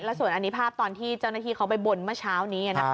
ส่วนอันนี้ภาพตอนที่เจ้าหน้าที่เขาไปบนเมื่อเช้านี้